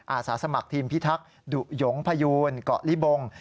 อาสาสมัครทีมพิทักษ์ดุหยงพยูนเกาะลิบง